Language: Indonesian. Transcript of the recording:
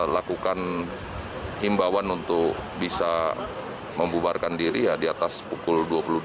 lakukan himbawan untuk bisa membubarkan diri ya di atas pukul dua puluh dua